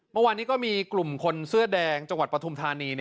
เมื่อวานนี้ก็มีกลุ่มคนเสื้อแดงจังหวัดปฐุมธานี